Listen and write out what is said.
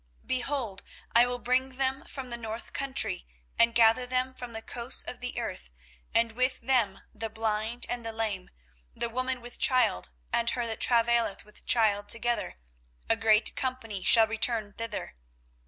24:031:008 Behold, I will bring them from the north country, and gather them from the coasts of the earth, and with them the blind and the lame, the woman with child and her that travaileth with child together: a great company shall return thither.